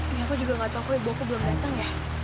ini aku juga nggak tahu kok ibu aku belum datang ya